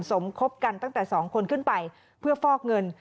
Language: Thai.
สมคบกันตั้งแต่๒คนขึ้นไปเพื่อฟอกเงิน